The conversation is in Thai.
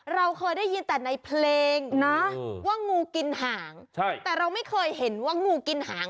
เราเคยได้ยินแต่ในเพลงนะว่างูกินหางใช่แต่เราไม่เคยเห็นว่างูกินหาง